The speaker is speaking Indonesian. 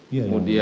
iya yang mulia